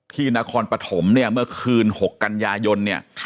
ที่นครปฐมเมื่อคืน๖กันยายน